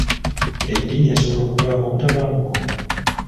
Eddiini esobola okuvaako obutabanguko?